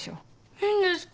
いいんですか？